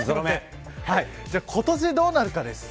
今年、どうなるかです。